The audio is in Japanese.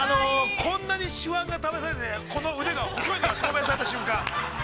◆こんなに手腕が試される、この腕が証明された瞬間。